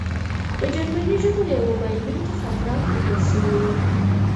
په جرمني ژبه د یوه بایلونکي خاطرات لیکل شوي وو